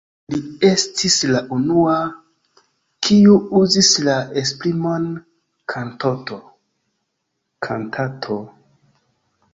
Li estis la unua, kiu uzis la esprimon „kantato“.